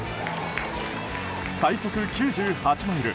最速９８マイル